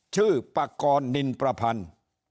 ชื่อปากรนินประพันธ์